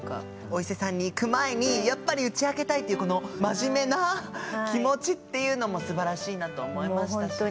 お伊勢さんに行く前にやっぱり打ち明けたいっていうこの真面目な気持ちっていうのもすばらしいなと思いましたし。